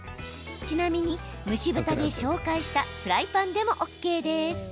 ちなみに、蒸し豚で紹介したフライパンでもＯＫです。